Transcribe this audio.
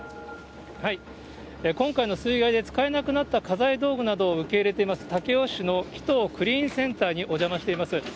今回の水害で使えなくなった家財道具などを受け入れています、武雄市のきとうクリーンセンターにお邪魔しています。